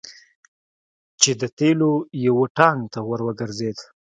چې د تیلو یو ټانګ ته ور وګرځید.